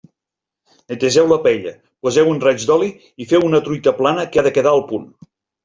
Netegeu la paella, poseu-hi un raig d'oli i feu una truita plana que ha de quedar al punt.